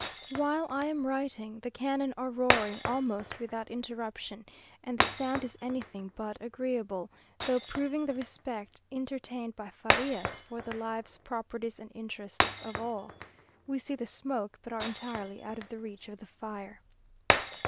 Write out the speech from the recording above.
While I am writing, the cannon are roaring almost without interruption, and the sound is anything but agreeable, though proving the respect entertained by Farias for "the lives, properties, and interests of all." We see the smoke, but are entirely out of the reach of the fire.